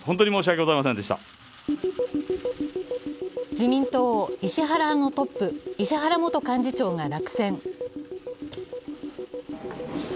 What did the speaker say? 自民党石原派のトップ・石原元幹事長が落選。